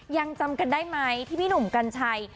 ยังจำกันได้ไหมที่พี่หนุ่มกัญชัย